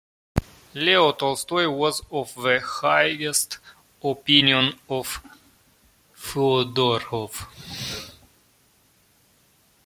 Leo Tolstoy was of the highest opinion of Fyodorov.